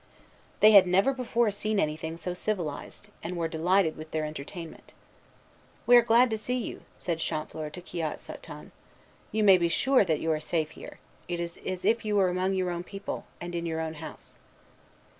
They had never before seen anything so civilized, and were delighted with their entertainment. "We are glad to see you," said Champfleur to Kiotsaton; "you may be sure that you are safe here. It is as if you were among your own people, and in your own house."